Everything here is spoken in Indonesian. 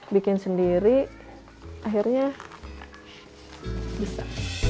bikin sendiri akhirnya bisa